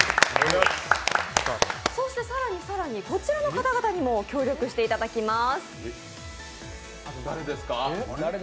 更に更にこちらの方にもご協力していただきます。